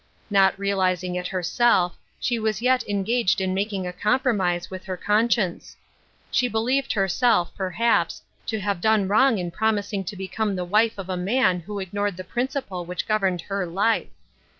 Not realizing it herself, she was yet en gaged in making a compromise with her con science. She believed herself, perhaps, to have done wrong in promising to become the wife of a man who ignored the principle which governed her life.